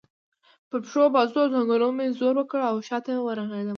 پر پښو، بازو او څنګلو مې زور وکړ او شا ته ورغړېدم.